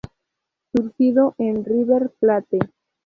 Surgido en River Plate.